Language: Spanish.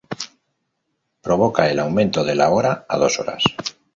Provoca el aumento de la hora a dos horas.